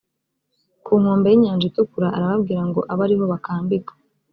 ku nkombe y’inyanja itukura arababwira ngo abe ari ho bakambika